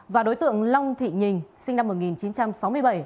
và đối tượng long thị nhìn sinh năm một nghìn chín trăm sáu mươi bảy